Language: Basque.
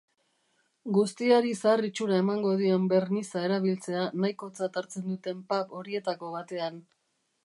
Guztiari zahar itxura emango dion berniza erabiltzea nahikotzat hartzen duten pub horietako batean.